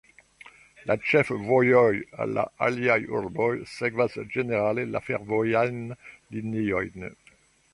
La ĉefvojoj al la aliaj urboj sekvas ĝenerale la fervojajn liniojn.